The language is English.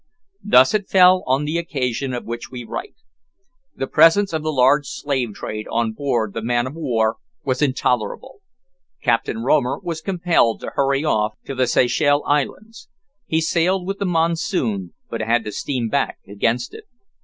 Thus it fell out on the occasion of which we write. The presence of the large slave freight on board the man of war was intolerable. Captain Romer was compelled to hurry off to the Seychelles Islands. He sailed with the monsoon, but had to steam back against it.